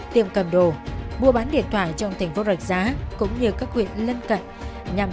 tiệm cầm đồ mua bán điện thoại trong thành phố rạch giá cũng như các huyện lân cận nhằm